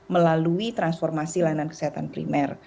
melalui transformasi layanan kesehatan primer